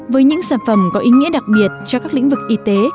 với những sản phẩm có ý nghĩa đặc biệt cho các lĩnh vực y tế